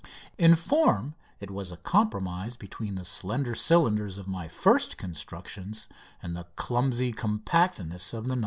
In form it was a compromise between the slender cylinders of my first constructions and the clumsy compactness of the "No.